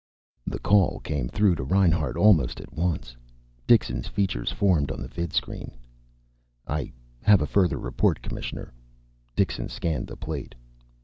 The call came through to Reinhart almost at once. Dixon's features formed on the vidscreen. "I have a further report, Commissioner." Dixon scanned the plate.